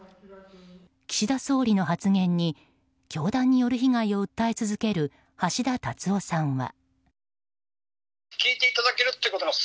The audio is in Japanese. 岸田総理の発言に教団による被害を訴え続ける橋田達夫さんは。